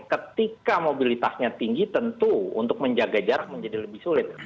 ketika mobilitasnya tinggi tentu untuk menjaga jarak menjadi lebih sulit